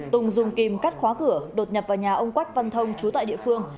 tùng dùng kim cắt khóa cửa đột nhập vào nhà ông quách văn thông chú tại địa phương